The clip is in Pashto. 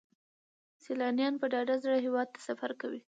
سیلانیان په ډاډه زړه هیواد ته سفر کوي.